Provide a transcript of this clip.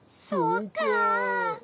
そうか。